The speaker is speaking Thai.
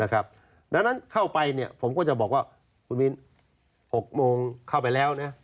นะครับดังนั้นเข้าไปเนี่ยผมก็จะบอกว่าคุณวินหกโมงเข้าไปแล้วเนี่ย